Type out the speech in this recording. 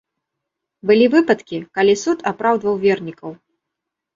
Былі выпадкі, калі суд апраўдваў вернікаў.